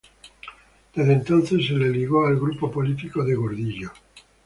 Desde entonces se le ligó al grupo político de Gordillo.